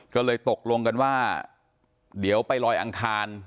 ก็เลยตกลงกันว่าเดี๋ยวไปลอยอังคาร